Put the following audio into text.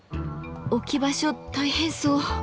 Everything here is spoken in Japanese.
置き場所大変そう。